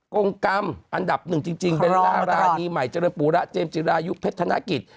กงกรรมอันดับหนึ่งจริงเป็นดาราดีใหม่เจริญปูระเจมส์จิรายุเพชรธนกิจ